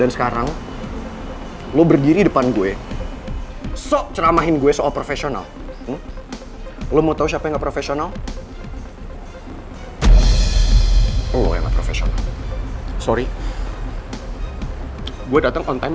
mba none di rutugaga berob oba oba marcah memizinli'saste mentang